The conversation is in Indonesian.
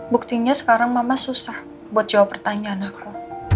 buktinya sekarang mama susah buat jawab pertanyaan aku